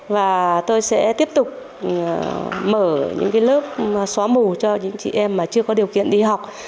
và tôi sẽ tiếp tục mở những lớp xóa mù cho những chị em mà chưa có điều kiện đi học